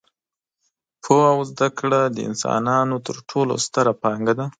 پوهه او زده کړه د انسانانو تر ټولو ستره پانګه ده.